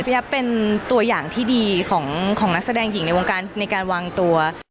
ยับเป็นตัวอย่างที่ดีของนักแสดงหญิงในวงการในการวางตัว